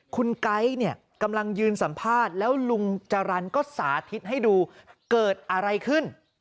คุณไก๊เนี่ยกำลังยืนสัมภาษณ์แล้วลุงจรรย์ก็สาธิตให้ดูเกิดอะไรขึ้น